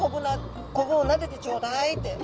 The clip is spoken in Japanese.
コブをなでてちょうだいって。